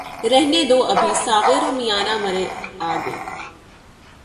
رہنے دو ابھی ساغر و مینا مرے آگے